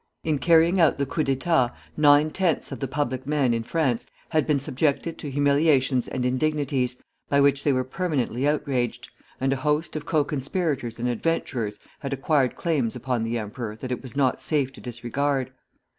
In carrying out the coup d'état nine tenths of the public men in France had been subjected to humiliations and indignities, by which they were permanently outraged, and a host of co conspirators and adventurers had acquired claims upon the emperor that it was not safe to disregard.